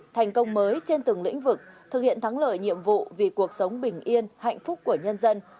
thành công mới trên từng lĩnh vực thực hiện thắng lợi nhiệm vụ vì cuộc sống bình yên hạnh phúc của nhân dân